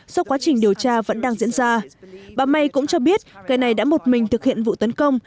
do quá trình điều tra vẫn đang diễn ra bà may cũng cho biết người này đã một mình thực hiện vụ tấn công